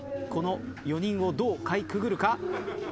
この４人をどうかいくぐるか？